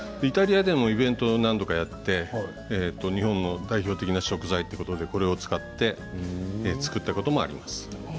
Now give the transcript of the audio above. イタリアでも何度かイベントをやって日本の代表的な食材ということでこれを使って作ったこともあります。